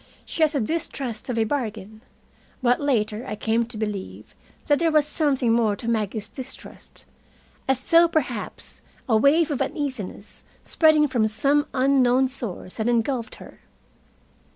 She has a distrust of a bargain. But later I came to believe that there was something more to Maggie's distrust as though perhaps a wave of uneasiness, spreading from some unknown source, had engulfed her.